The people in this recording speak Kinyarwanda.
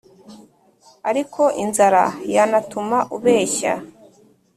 ariko inzara yana tuma ubeshya .